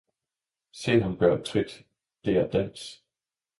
se ham gøre trit, det er dans!